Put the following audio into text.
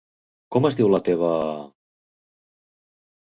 Com es diu la teva...?